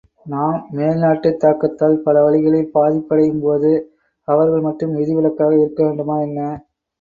நாம் மேல் நாட்டுத் தாக்கத்தால் பல வழிகளில் பாதிப்பு அடையும் போது அவர்கள் மட்டும் விதிவிலக்காக இருக்கவேண்டுமா என்ன?